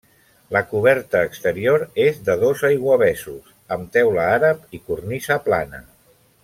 La coberta exterior és de dos aiguavessos, amb teula àrab i cornisa plana.